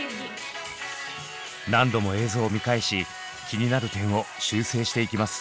何度も映像を見返し気になる点を修正していきます。